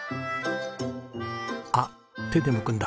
あっ手でむくんだ。